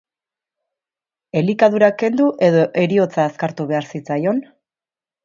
Elikadura kendu edo heriotza azkartu behar zitzaion?